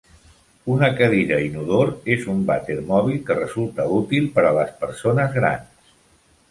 Una cadira inodor és un vàter mòbil que resulta útil per a les persones grans.